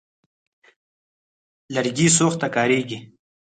لرګي سوخت ته کارېږي.